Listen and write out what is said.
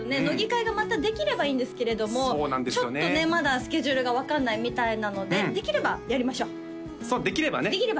乃木回がまたできればいいんですけれどもちょっとねまだスケジュールが分かんないみたいなのでできればやりましょうそうできればね！